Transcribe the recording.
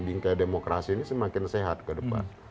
bingkai demokrasi ini semakin sehat ke depan